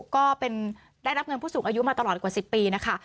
ก็ได้รับเงินผู้สูงอายุมาตลอดกว่า๑๐ปีนะคะ